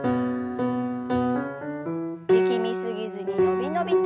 力み過ぎずに伸び伸びと。